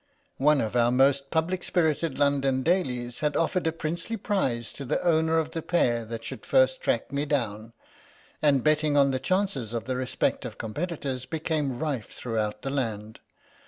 One of our most public spirited London dailies had offered a princely prize to the owner of the pair that should first track me down, and betting on the chances of the respective competitors became rife throughout the land.